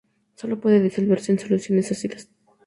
Sólo puede disolverse en soluciones ácidas.